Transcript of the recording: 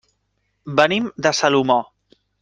Venim de Salomó.